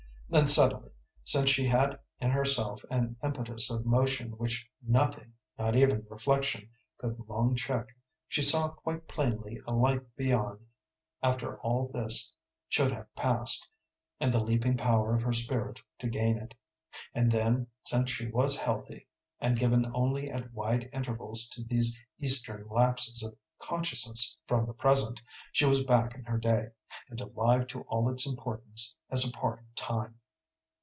Then suddenly since she had in herself an impetus of motion which nothing, not even reflection, could long check she saw quite plainly a light beyond, after all this should have passed, and the leaping power of her spirit to gain it. And then, since she was healthy, and given only at wide intervals to these Eastern lapses of consciousness from the present, she was back in her day, and alive to all its importance as a part of time.